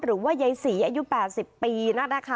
หรือว่าใยศรีอายุ๘๐ปีนะนะคะ